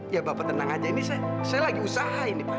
ya bapak tenang aja ini saya lagi usaha ini pak